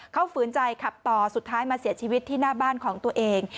เขาฝืนใจขับต่อสุดท้ายมาเสียชีวิตที่หน้าบ้านของตัวเอง